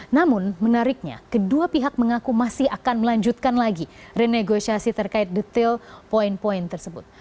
namun menariknya kedua pihak mengaku masih akan melanjutkan lagi renegosiasi terkait detail poin poin tersebut